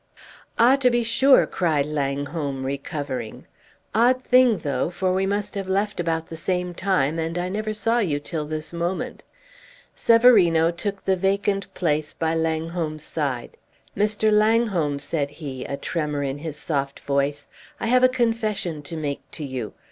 "Ah, to be sure!" cried Langholm, recovering. "Odd thing, though, for we must have left about the same time, and I never saw you till this moment." Severino took the vacant place by Langholm's side. "Mr. Langholm," said he, a tremor in his soft voice, "I have a confession to make to you.